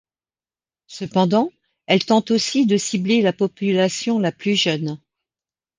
Cependant, elle tente aussi de cibler la population la plus jeune.